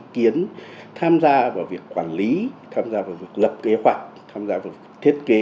kiến tham gia vào việc quản lý tham gia vào việc lập kế hoạch tham gia vào thiết kế